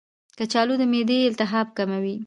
کچالو د معدې التهاب کموي.